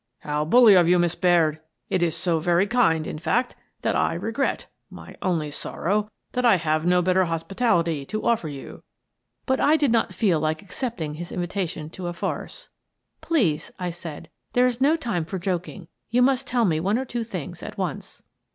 " How bully of you, Miss Baird," he began. " It is so very kind, in fact, that I regret — my only sorrow — that I have no better hospitality to offer you." But I did not feel like accepting his invitation to a farce. "Please," I said, — "there's no time for jok ing. You must tell me one or two things at once."